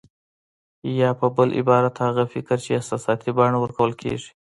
يا په بل عبارت هغه فکر چې احساساتي بڼه ورکول کېږي.